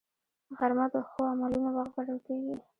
غرمه د ښو عملونو وخت ګڼل کېږي